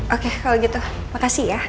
oke kalau gitu makasih ya